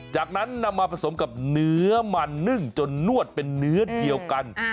จากนั้นนำมาผสมกับเนื้อมันนึ่งจนนวดเป็นเนื้อเดียวกัน